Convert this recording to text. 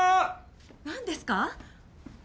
何ですか？